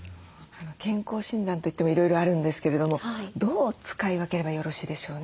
健康診断といってもいろいろあるんですけれどもどう使い分ければよろしいでしょうね？